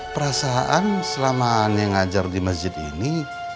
perasaan selama ini ngajar di masjid ini